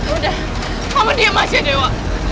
udah lama diam aja dewa